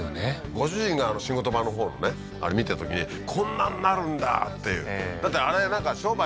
ご主人が仕事場のほうのねあれ見たときにこんなんなるんだ！っていうええだってあれなんか商売